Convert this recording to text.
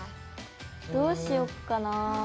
どうしよっかな。